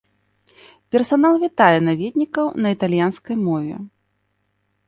Персанал вітае наведнікаў на італьянскай мове.